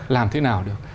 làm thế nào được